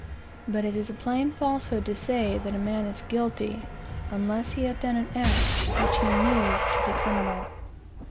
But it is a plain falsehood to say that a man is "guilty," unless he have done an act which he knew to be criminal.